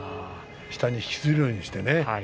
下に引きずるようにしてね。